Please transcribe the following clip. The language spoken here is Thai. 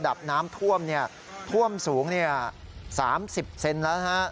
ระดับน้ำท่วมท่วมสูง๓๐เซนติเมตรแล้วนะครับ